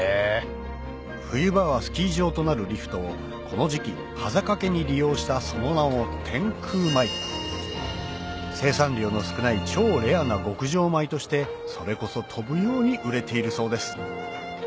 冬場はスキー場となるリフトをこの時期はざかけに利用したその名も生産量の少ない超レアな極上米としてそれこそ飛ぶように売れているそうです